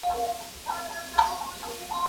پاکوالی وکړه؟!